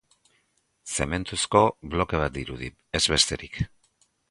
Zementuzko bloke bat dirudi, ez besterik.